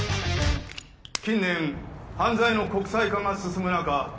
近年犯罪の国際化が進む中